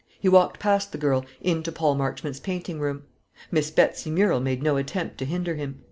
He walked past the girl into Paul Marchmont's painting room. Miss Betsy Murrel made no attempt to hinder him.